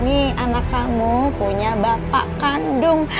nih anak kamu punya bapak kandung